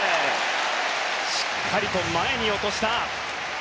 しっかりと前に落とした！